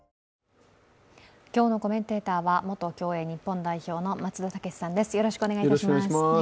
今日のコメンテーターは元競泳日本代表の松田丈志さんです。